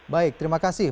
baik terima kasih